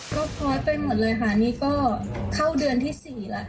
ก็คล้อยไปหมดเลยค่ะนี่ก็เข้าเดือนที่๔แล้ว